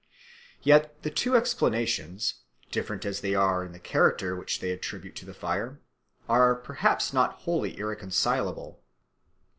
Yet the two explanations, different as they are in the character which they attribute to the fire, are perhaps not wholly irreconcilable.